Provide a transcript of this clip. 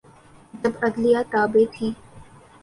جب عدلیہ تابع تھی۔